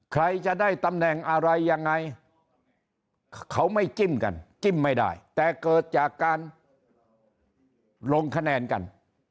ใครจะได้ตำแหน่งอะไรยังไงเขาไม่จิ้มกันจิ้มไม่ได้แต่เกิดจากการลงคะแนนกัน